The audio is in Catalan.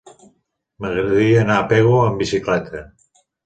M'agradaria anar a Pego amb bicicleta.